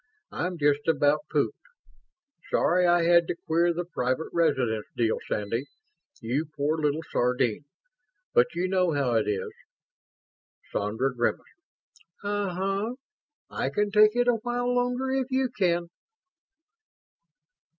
I'm just about pooped. Sorry I had to queer the private residence deal, Sandy, you poor little sardine. But you know how it is." Sandra grimaced. "Uh huh. I can take it a while longer if you can."